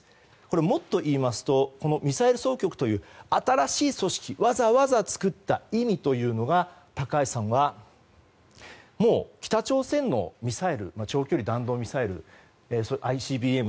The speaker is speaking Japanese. もっと言いますとミサイル総局という新しい組織わざわざ作った意味というのが高橋さんはもう北朝鮮のミサイル長距離弾道ミサイル、ＩＣＢＭ